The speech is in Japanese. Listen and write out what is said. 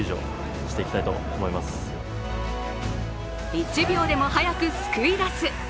１秒でも早く救いだす。